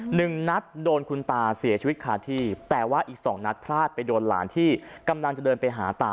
หนึ่งนัดโดนคุณตาเสียชีวิตคาที่แต่ว่าอีกสองนัดพลาดไปโดนหลานที่กำลังจะเดินไปหาตา